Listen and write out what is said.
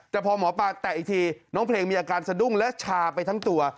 แต่พอหมอปลาแตะอีกทีน้องเพลงมีอาการสะดุ้งและชาไปทั้งตัว